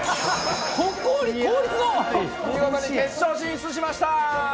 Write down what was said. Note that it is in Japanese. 見事に決勝進出しました！